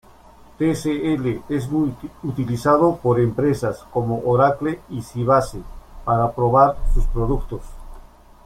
Tcl es muy utilizado por empresas como Oracle y Sybase para probar sus productos.